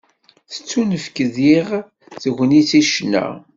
Tettunefk diɣ tegnit i ccna.